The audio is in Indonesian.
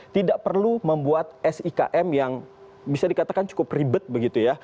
tidak perlu membuat sikm yang bisa dikatakan cukup ribet begitu ya